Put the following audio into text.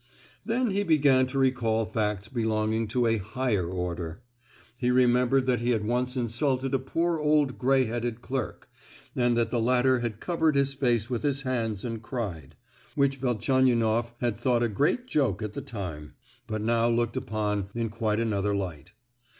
Then he began to recall facts belonging to a "higher" order. He remembered that he had once insulted a poor old grey headed clerk, and that the latter had covered his face with his hands and cried, which Velchaninoff had thought a great joke at the time, but now looked upon in quite another light.